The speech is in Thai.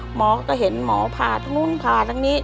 หมอก็เห็นหมอผ่าทั้งนู้นผ่าทั้งนี้